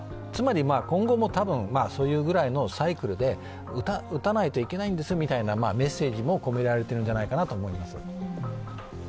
つまり、今後もそういうぐらいのサイクルで打たないといけないんですみたいなメッセージも込められているんじゃないかなと思います。